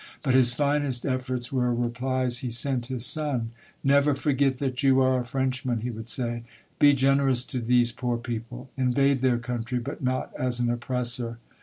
But his finest efforts were replies he sent his son. * Never forget that you are a Frenchman,' he would say. ' Be gen erous to these poor people. Invade their country, but not as an oppressor.'